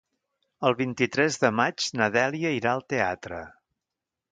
El vint-i-tres de maig na Dèlia irà al teatre.